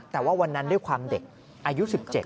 แต่ว่าวันนั้นด้วยความเด็กอายุ๑๗